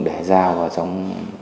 để ra vào trong